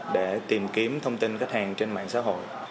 để tìm kiếm thông tin khách hàng trên mạng xã hội